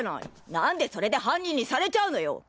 なんでそれで犯人にされちゃうのよ！